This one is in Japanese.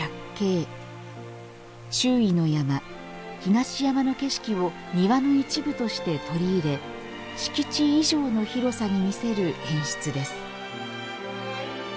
周囲の山東山の景色を庭の一部として取り入れ敷地以上の広さに見せる演出です